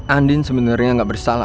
andin sebenarnya gak bersalah